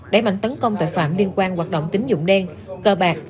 đẩy mạnh tấn công tội phạm liên quan hoạt động tính dụng đen cờ bạc